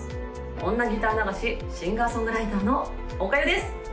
おんなギター流しシンガーソングライターのおかゆです